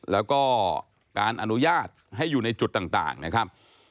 แล้วก็การอนุญาตให้อยู่ในจุดต่างนะครับ